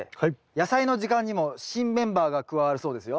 「やさいの時間」にも新メンバーが加わるそうですよ。